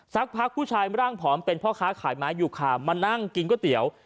สักพักผู้ชายร่างผอมเป็นพ่อค้าขายไม้ยูคามานั่งกินก๋วยเตี๋ยว